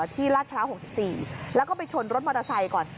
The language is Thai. ลาดพร้าว๖๔แล้วก็ไปชนรถมอเตอร์ไซค์ก่อน